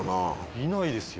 いないですよ。